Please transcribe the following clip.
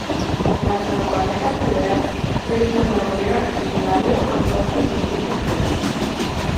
Les campanetes d'hivern creixen de manera espontània en boscos humits i frescs.